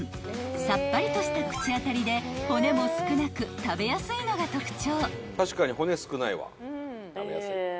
［さっぱりとした口当たりで骨も少なく食べやすいのが特徴］